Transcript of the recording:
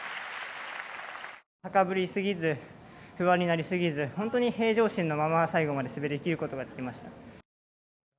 高ぶりすぎず不安になりすぎず、本当に平常心のまま最後まで滑りきることができました。